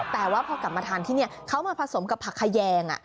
แต่ว่าพอกลับมาทานที่นี่เขามาผสมกับผักขยง